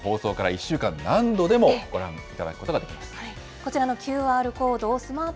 ＮＨＫプラスでも放送から１週間、何度でもご覧いただくことができます。